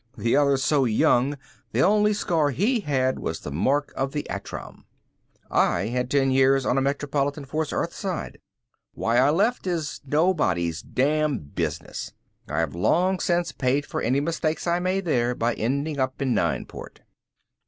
The other so young the only scar he had was the mark of the attram. I had ten years on a metropolitan force, earthside. Why I left is nobody's damn business. I have long since paid for any mistakes I made there by ending up in Nineport.